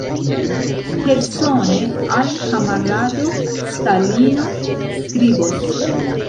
Persone al kamarado Stalino skribos.